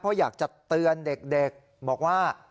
เพราะอยากจะเตือนเด็กบอกว่า